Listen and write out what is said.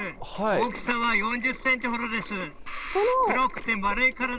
大きさは４０センチほどです。